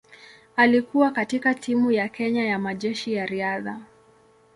Alikuwa katika timu ya Kenya ya Majeshi ya Riadha.